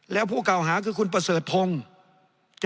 แล้วผู้ก่าวหาคือคุณปเศิฒร์พงธ์